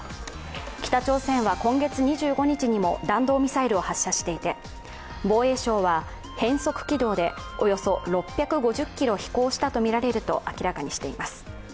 北朝鮮は今月２５日にも弾道ミサイルを発射していて、防衛省は、変則軌道でおよそ６５０ｋｍ飛行したとみられると明らかにしています。